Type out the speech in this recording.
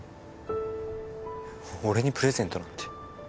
俺にプレゼントなんて。